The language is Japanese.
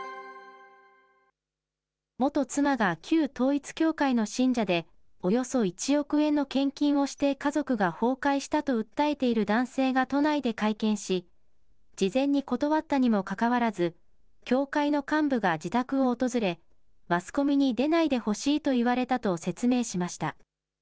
元妻が旧統一教会の信者で、およそ１億円の献金をして家族が崩壊したと訴えている男性が都内で会見し、事前に断ったにもかかわらず、教会の幹部が自宅を訪れ、マスコミに出ないでほしいと言われたと説明しました。